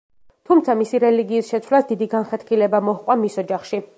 თუმცა, მისი რელიგიის შეცვლას დიდი განხეთქილება მოჰყვა მის ოჯახში.